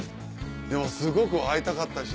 でもすごく会いたかったし。